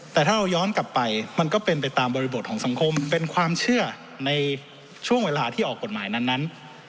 แต่ถ้าเราย้อนกลับไปมันก็เป็นไปตามบริบทของสังคมเป็นความเชื่อในช่วงเวลาที่ออกกฎหมายนั้น